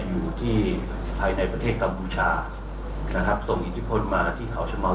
อยู่ที่ภายในประเทศกัมพูชานะครับส่งอิทธิพลมาที่เขาชะเมา